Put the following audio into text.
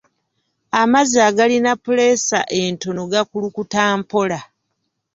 Amazzi agalina puleesa entono gakulukuta mpola.